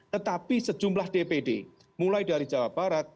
tetapi sejumlah dpd mulai dari jawa barat